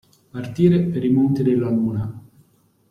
Partire per i monti della luna.